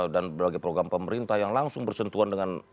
dan berbagai program pemerintah yang langsung bersentuhan dengan